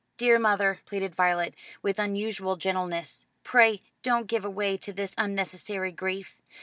"Dear mother," pleaded Violet, with unusual gentleness, "pray don't give way to this unnecessary grief.